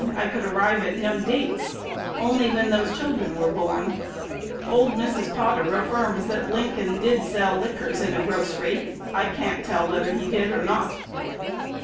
I could arrive at no dates, only when those children were born. Old Mrs. Potter affirms that Lincoln did sell liquors in a grocery. I can't tell whether he did or not."